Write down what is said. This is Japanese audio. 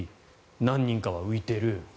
何人かは浮いてる。